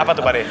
apa tuh pakde